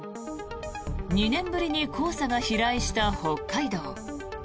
２年ぶりに黄砂が飛来した北海道。